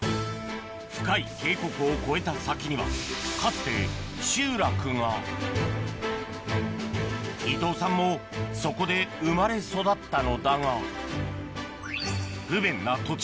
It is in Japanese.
深い渓谷を越えた先にはかつて集落が伊藤さんもそこで生まれ育ったのだが不便な土地